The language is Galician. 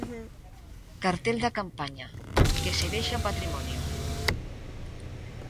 Cartel da campaña "Que se vexa o Patrimonio".